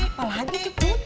apa lagi tuh cuk